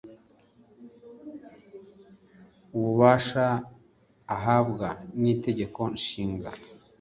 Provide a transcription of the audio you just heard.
ububasha ahabwa nitegeko nshinga